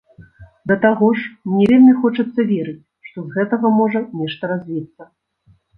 Да таго ж, мне вельмі хочацца верыць, што з гэтага можа нешта развіцца.